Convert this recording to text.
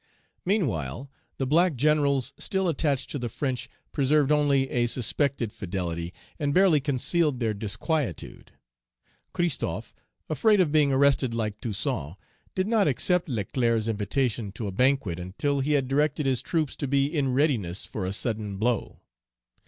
Meanwhile, the black generals still attached to the French preserved only a suspected fidelity, and barely concealed their disquietude. Christophe, afraid of being arrested like Toussaint, did not accept Leclerc's invitation to a banquet until he had directed his troops to be in readiness for a sudden blow.